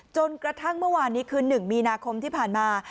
จนกระทั่งเมื่อวานนี้คือ๑มีนาคมที่ผ่านมา